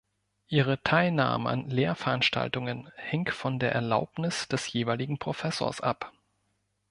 Ihre Teilnahme an Lehrveranstaltungen hing von der Erlaubnis des jeweiligen Professors ab.